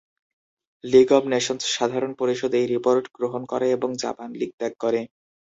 League of Nations সাধারণ পরিষদ এই রিপোর্ট গ্রহণ করে এবং জাপান লীগ ত্যাগ করে।